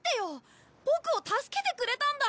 ボクを助けてくれたんだ！